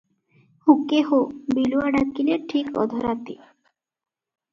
ହୁକେ-ହୋ, ବିଲୁଆ ଡାକିଲେ ଠିକ୍ ଅଧରାତି ।